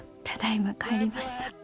ただいま帰りました。